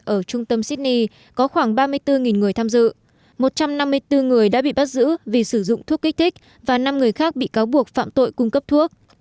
ở trung tâm sydney có khoảng ba mươi bốn người tham dự một trăm năm mươi bốn người đã bị bắt giữ vì sử dụng thuốc kích thích và năm người khác bị cáo buộc phạm tội cung cấp thuốc